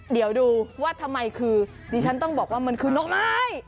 เดี๋ยวดูว่าทำไมคือดิฉันต้องบอกว่ามันคือนกไม้